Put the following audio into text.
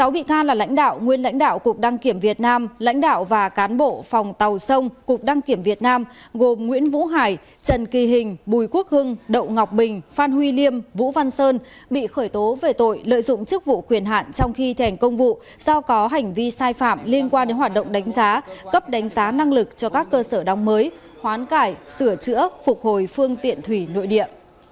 sáu bị can là lãnh đạo nguyên lãnh đạo cục đăng kiểm việt nam lãnh đạo và cán bộ phòng tàu sông cục đăng kiểm việt nam gồm nguyễn vũ hải trần kỳ hình bùi quốc hưng đậu ngọc bình phan huy liêm vũ văn sơn bị khởi tố về tội lợi dụng chức vụ quyền hạn trong khi thành công vụ do có hành vi sai phạm liên quan đến hoạt động đánh giá cấp đánh giá năng lực cho các cơ sở đăng mới hoán cải sửa chữa phục hồi phương tiện thủy nội địa